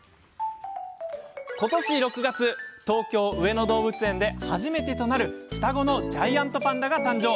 ことし６月、東京・上野動物園で初めてとなる双子のジャイアントパンダが誕生。